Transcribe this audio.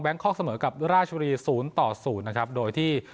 คอกเสมอกับราชบุรีศูนย์ต่อศูนย์นะครับโดยที่